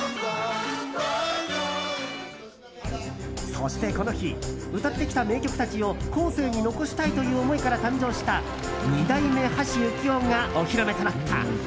そして、この日歌ってきた名曲たちを後世に残したいという思いから誕生した２代目・橋幸夫がお披露目となった。